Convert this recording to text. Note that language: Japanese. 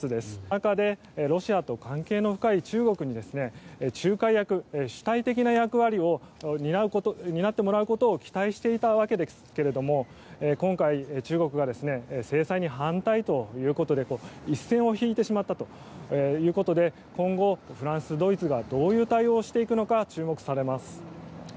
その中でロシアと関係の深い中国に仲介役、主体的な役割を担ってもらうことを期待していたわけですけれども今回、中国は制裁に反対ということで一線を引いてしまったことで今後、フランス、ドイツがどういう対応をしていくのか注目されます。